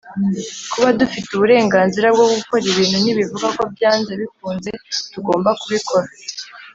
Kuba dufite uburenganzira bwo gukora ibintu ntibivuga ko byanze bikunze tugomba kubikora